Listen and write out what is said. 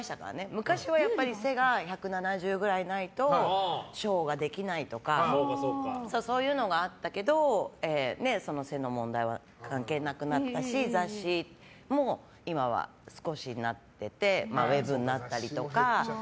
昔は背が１７０ぐらいないとショーができないとかそういうのがあったけど背の問題は関係なくなったし雑誌も今は少しになっていてウェブになったりとか。